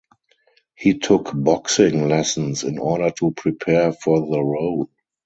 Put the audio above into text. He took boxing lessons in order to prepare for the role.